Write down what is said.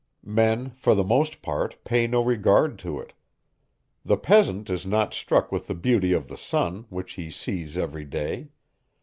Men, for the most part, pay no regard to it. The peasant is not struck with the beauty of the sun, which he sees every day.